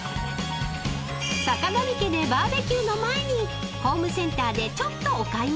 ［さかがみ家でバーベキューの前にホームセンターでちょっとお買い物。